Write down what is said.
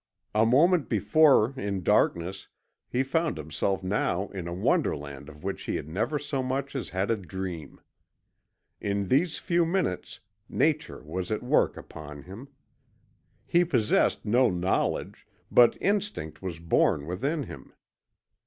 A moment before in darkness, he found himself now in a wonderland of which he had never so much as had a dream. In these few minutes Nature was at work upon him. He possessed no knowledge, but instinct was born within him.